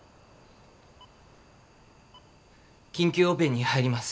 緊急オペに入ります。